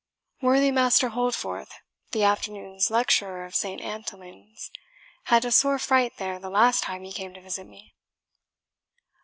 Worthy Master Holdforth, the afternoon's lecturer of Saint Antonlin's, had a sore fright there the last time he came to visit me."